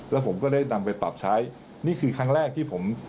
แล้วผมก็ได้นำไปปรับใช้นี่คือครั้งแรกที่ผม